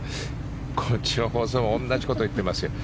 こっちの放送も同じことを言ってますよ